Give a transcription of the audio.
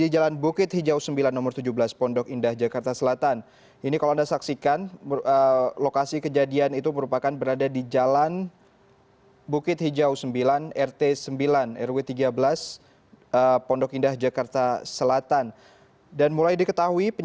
jalan bukit hijau sembilan rt sembilan rw tiga belas pondok indah jakarta selatan